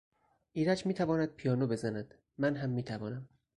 ایرج میتواند پیانو بزند، من هم میتوانم.